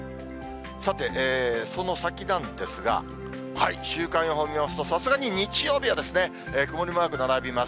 さて、その先なんですが、週間予報見ますと、さすがに日曜日は曇りマーク並びます。